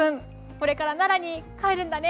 これから奈良に帰るんだね。